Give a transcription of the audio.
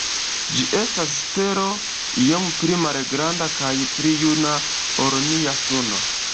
Ĝi estas stelo iom pli malgranda kaj pli juna ol nia Suno.